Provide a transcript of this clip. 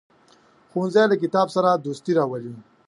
ښوونځی له کتاب سره دوستي راولي